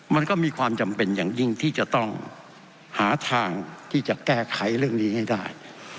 มันก็มีความจำเป็นอย่างยิ่งที่จะต้องหาทางที่จะแก้ไขเรื่องนี้ให้ได้